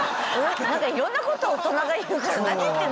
なんかいろんなこと大人が言うから何言ってるんだろう。